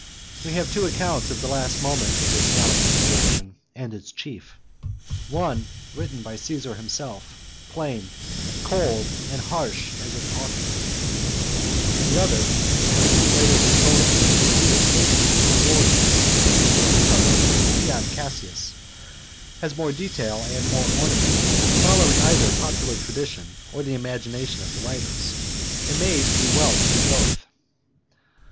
We have two accounts of the last moments of this great Gallic insurrection and its chief; one, written by Caesar himself, plain, cold, and harsh as its author; the other, by two later historians, who were neither statesmen nor warriors, Plutarch and Dion Cassius, has more detail and more ornament, following either popular tradition or the imagination of the writers. It may be well to give both.